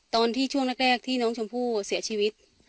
ช่วงแรกที่น้องชมพู่เสียชีวิต